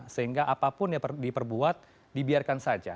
sehingga apapun yang diperbuat dibiarkan saja